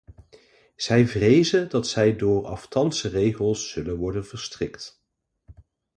Zij vrezen dat zij door aftandse regels zullen worden verstrikt.